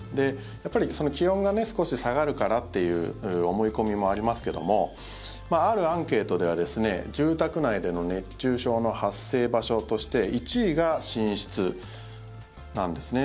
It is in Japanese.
やっぱり気温が少し下がるからという思い込みもありますけどもあるアンケートでは住宅内での熱中症の発生場所として１位が寝室なんですね。